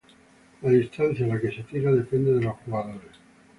La distancia a la que se tira depende de los jugadores.